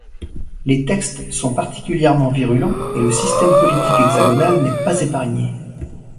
Les textes sont particulièrement virulents et le système politique hexagonal n'est pas épargné.